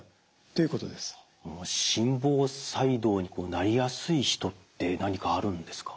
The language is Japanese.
心房細動になりやすい人って何かあるんですか？